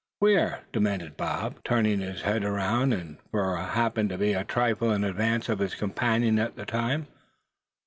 "Where?" demanded the other, turning his head around; for he happened to be a trifle in advance of his companion at the time.